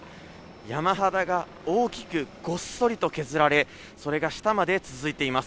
山肌が大きくごっそりと削られ、それが下まで続いています。